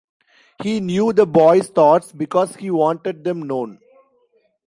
He knew the boy's thoughts because he wanted them known.